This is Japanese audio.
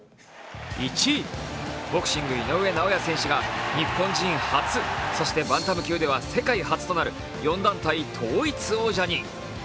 ボクシング・井上尚弥選手が日本人初、そしてバンタム級では世界初となる４団体統一王者に。